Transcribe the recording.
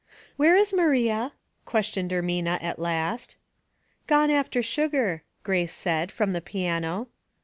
" Where is Maria ?" questioned Ermina at last. " Gone after sugar," Grace said, from the piano.